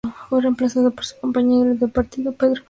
Fue reemplazado por su compañero de partido, Pedro Isla.